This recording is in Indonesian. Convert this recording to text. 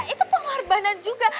itu pengorbanan juga